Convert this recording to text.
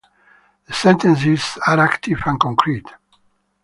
The sentences are active and concrete.